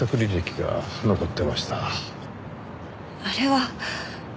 あれは。